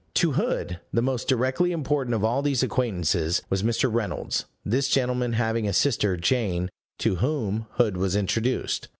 To Hood the most directly important of all these acquaintances was Mr. Reynolds; this gentleman having a sister, Jane, to whom Hood was introduced.